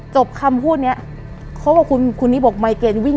จบคำพูดนี้